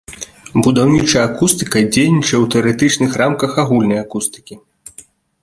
Будаўнічая акустыка дзейнічае ў тэарэтычных рамках агульнай акустыкі.